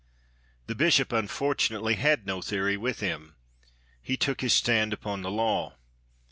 The Bishop unfortunately had no theory with him. He took his stand upon the law.